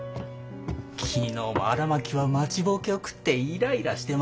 昨日も荒巻は待ちぼうけを食ってイライラしてましたよ。